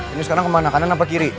ini sekarang kemana kanan apa kiri